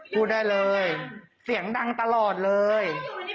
พูดได้เลยเสียงดังตลอดเลย